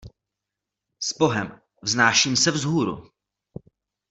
Sbohem, vznáším se vzhůru!